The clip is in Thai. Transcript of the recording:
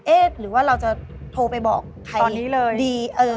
เอ๊ะหรือว่าเราจะโทรไปบอกใครดี